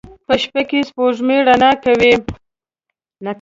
په شپه کې سپوږمۍ رڼا کوي